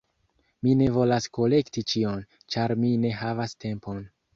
Mi ne volas kolekti ĉion, ĉar mi ne havas tempon.